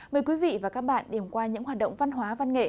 mời quý vị và các bạn điểm qua những hoạt động văn hóa văn nghệ